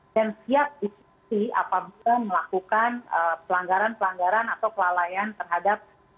dan siap diisi apabila melakukan pelanggaran pelanggaran atau kelalaian terhadap